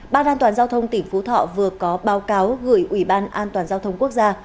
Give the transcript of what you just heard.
ban an toàn giao thông tỉnh phú thọ vừa có báo cáo gửi ủy ban an toàn giao thông quốc gia